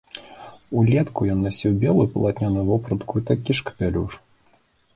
Улетку ён насіў белую палатняную вопратку і такі ж капялюш.